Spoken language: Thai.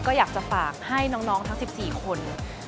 ก็อยากจะฝากให้น้องทั้ง๑๔คน